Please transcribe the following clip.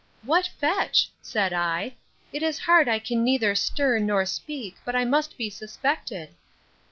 —What fetch? said I: It is hard I can neither stir, nor speak, but I must be suspected.